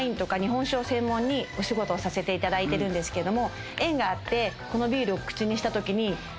お仕事をさせていただいてるんですけど縁があってこのビールを口にしたときに。